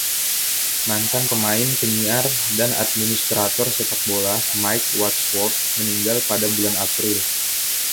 Mantan pemain, penyiar, dan administrator sepakbola, Mike Wadsworth meninggal pada bulan April.